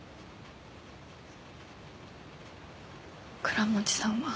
倉持さんは。